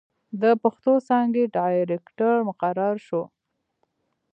َد پښتو څانګې ډائرکټر مقرر شو